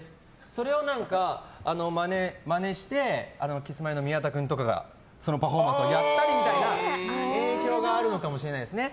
それは、まねしてキスマイの宮田君とかがそのパフォーマンスをやったりとか影響があるのかもしれないですね。